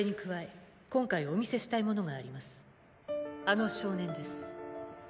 あの少年です。